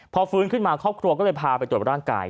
พอฟื้นขึ้นมาครอบครัวก็เลยพาไปตรวจร่างกาย